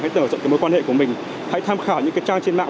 hãy mở rộng cái mối quan hệ của mình hãy tham khảo những cái trang trên mạng